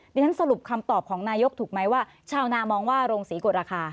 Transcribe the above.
ดิฉันสรุปคำตอบของนายกถูกไหมว่าชาวนามองว่าโรงศรีกฎราคา